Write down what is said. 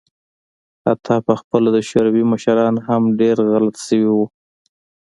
حتی په خپله د شوروي مشران هم پرې غلط شوي وو.